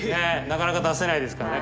佑なかなか出せないですからね